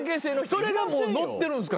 それがもう載ってるんすか？